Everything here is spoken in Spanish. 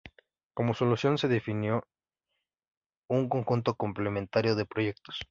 Como solución, se definió un conjunto complementario de proyectos.